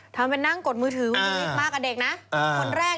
ทำเป็นนั่งกดมือถือวินิกมากอ่ะเด็กนะ